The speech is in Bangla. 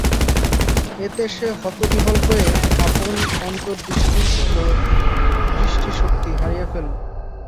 এতে সে হতবিহ্বল হয়ে আপন অন্তদৃষ্টি ও দৃষ্টিশক্তি হারিয়ে ফেলল।